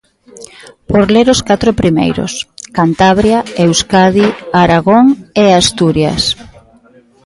Por ler os catro primeiros: Cantabria, Euskadi, Aragón e Asturias.